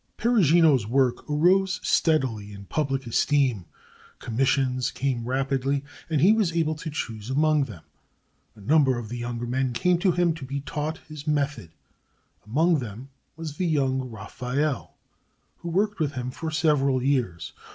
Perugino's work arose steadily in public esteem. Commissions came rapidly, and he was able to choose among them. A number of the younger men came to him to be taught his method. Among them was the young Raphael, who worked with him for several years.